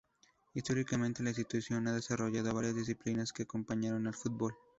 Históricamente la institución ha desarrollado varias disciplinas que acompañaron al fútbol.